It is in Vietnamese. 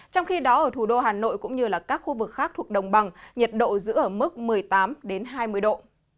trong khi đó ở thủ đô hà nội cũng như các khu vực khác thuộc đồng bằng nhiệt độ giữ ở mức một mươi tám hai mươi độ